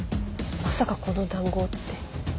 まさかこの談合って。